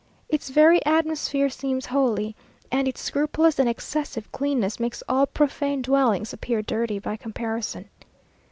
Its very atmosphere seems holy, and its scrupulous and excessive cleanness makes all profane dwellings appear dirty by comparison.